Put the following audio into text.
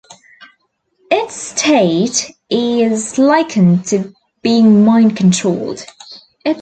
Its state is likened to being mind controlled.